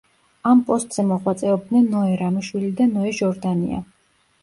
ამ პოსტზე მოღვაწეობდნენ ნოე რამიშვილი და ნოე ჟორდანია.